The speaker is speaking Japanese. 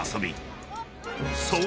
［そう。